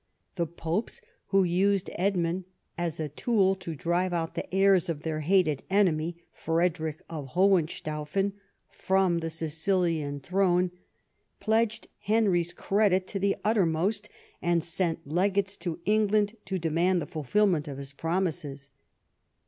The popes, who used Edmund as a tool to drive out the heirs of their hated enemy, Frederick of Hohenstaufen, from the Sicilian throne, pledged Henry's credit to the uttermost, and sent legates to England to demand the fulfilment of his promises.